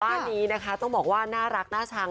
บ้านนี้นะคะต้องบอกว่าน่ารักน่าชัง